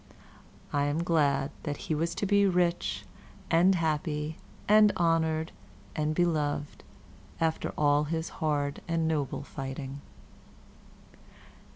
I am glad that he was to be rich and happy and honored and beloved after all his hard and noble fighting.